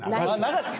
なかった。